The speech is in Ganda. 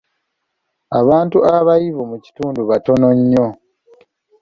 Abantu abayivu mu kitundu batono nnyo.